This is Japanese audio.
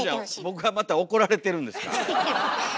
僕はまた怒られてるんですか？